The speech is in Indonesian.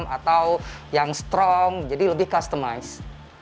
atau yang lebih kuat atau yang lebih kuat jadi lebih customisasi